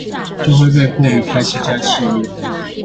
就會被迫離開這家企業